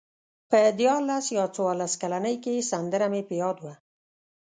په دیارلس یا څوارلس کلنۍ کې سندره مې په یاد وه.